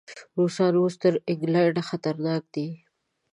روسان اوس تر انګلینډ خطرناک دي.